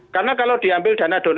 karena kalau diambil dana